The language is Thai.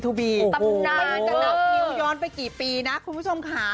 ตำนานจะนับนิ้วย้อนไปกี่ปีนะคุณผู้ชมค่ะ